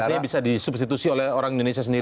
artinya bisa disubstitusi oleh orang indonesia sendiri